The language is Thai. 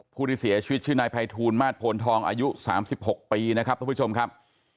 ผู้ที่เสียชีวิตชื่อนายภัยทูลมาสโพนทองอายุ๓๖ปีนะครับทุกผู้ชมครับ